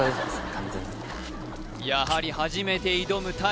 完全にやはり初めて挑む鯛